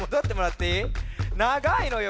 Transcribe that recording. ながいのよ